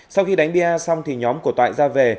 sau khi đánh bia xong thì nhóm của toại ra về